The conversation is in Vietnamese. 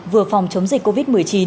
vừa phòng chống dịch covid một mươi chín